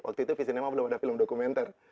waktu itu visinema belum ada film dokumenter